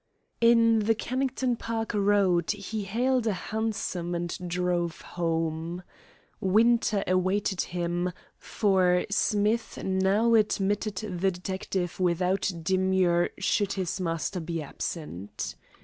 In the Kennington Park Road he hailed hansom and drove home. Winter awaited him, for Smith now admitted the detective without demur should his master be absent.